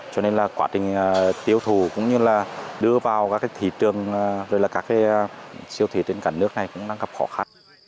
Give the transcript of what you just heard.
cho nên là quá trình tiêu thụ cũng như là đưa vào các thị trường rồi là các siêu thị trên cả nước này cũng đang gặp khó khăn